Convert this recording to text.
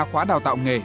khóa đào tạo nghề